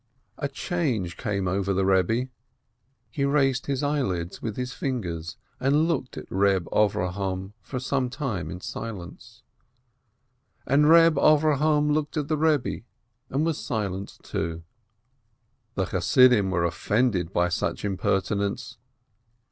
A change came over the Eebbe, he raised his eyelids with his fingers, and looked at Eeb Avrohom for some time in silence. And Eeb Avrohom looked at the Eebbe, and was silent too. The Chassidim were offended by such impertinence.